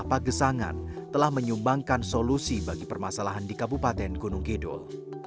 pagesangan telah menyumbangkan solusi bagi permasalahan di kabupaten gunung kidul